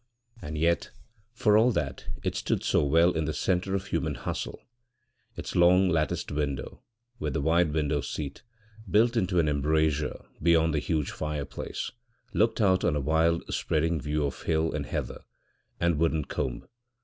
And yet, for all that it stood so well in the centre of human bustle, its long, latticed window, with the wide window seat, built into an embrasure beyond the huge fireplace, looked out on a wild spreading view of hill and heather and wooded combe.